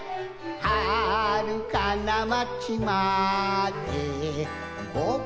「はるかなまちまでぼくたちの」